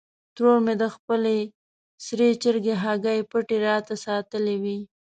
ترور مې د خپلې سرې چرګې هګۍ پټې راته ساتلې وې.